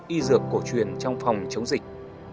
y dược cổ truyền trong phòng chống dịch